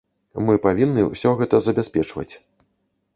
Мы павінны ўсё гэта забяспечваць.